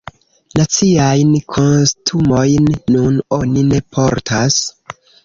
Naciajn kostumojn nun oni ne portas.